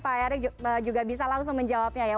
pak erick juga bisa langsung menjawabnya ya